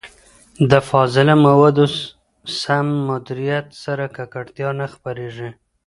د فاضله موادو سم مديريت سره، ککړتيا نه خپرېږي.